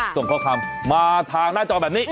ส่งข้อความมาทางหน้าจอแบบนี้